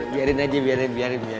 biarin aja biarin